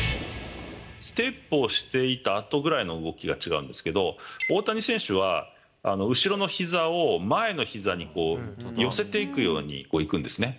ステップをしていたあとくらいの動きが違うんですけど、大谷選手は、後ろのひざを前のひざに寄せていくようにいくんですね。